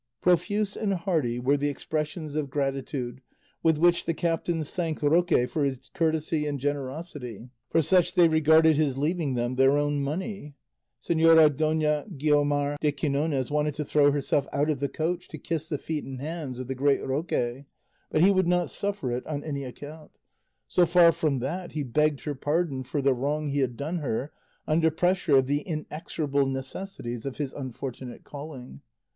Profuse and hearty were the expressions of gratitude with which the captains thanked Roque for his courtesy and generosity; for such they regarded his leaving them their own money. Señora Dona Guiomar de Quinones wanted to throw herself out of the coach to kiss the feet and hands of the great Roque, but he would not suffer it on any account; so far from that, he begged her pardon for the wrong he had done her under pressure of the inexorable necessities of his unfortunate calling.